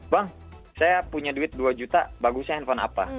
bang saya punya duit dua juta bagusnya handphone apa